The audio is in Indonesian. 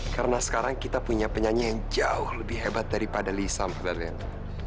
karena sekarang kita punya penyanyi yang jauh lebih hebat daripada lisa mahdalena